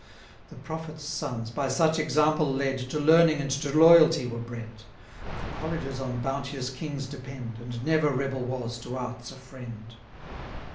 The prophets' sons, by such example led, 870 To learning and to loyalty were bred: For colleges on bounteous kings depend, And never rebel was to arts a friend.